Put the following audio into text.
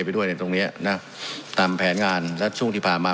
ไปด้วยในตรงเนี้ยนะตามแผนงานและช่วงที่ผ่านมา